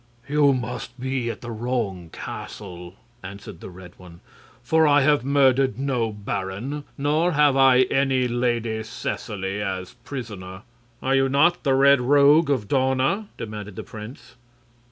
"You must be at the wrong castle," answered the Red One, "for I have murdered no baron, nor have I any Lady Seseley as prisoner." "Are you not the Red Rogue of Dawna?" demanded the prince.